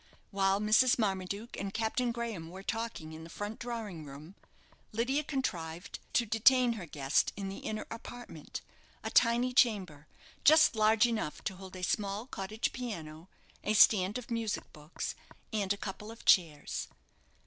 While Mrs. Marmaduke and Captain Graham were talking in the front drawing room, Lydia contrived to detain her guest in the inner apartment a tiny chamber, just large enough to hold a small cottage piano, a stand of music books, and a couple of chairs.